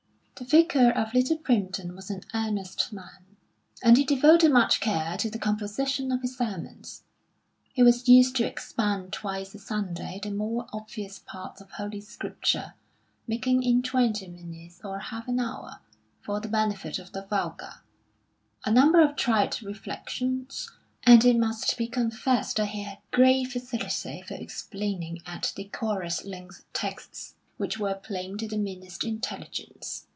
_" The Vicar of Little Primpton was an earnest man, and he devoted much care to the composition of his sermons. He was used to expound twice a Sunday the more obvious parts of Holy Scripture, making in twenty minutes or half an hour, for the benefit of the vulgar, a number of trite reflections; and it must be confessed that he had great facility for explaining at decorous length texts which were plain to the meanest intelligence.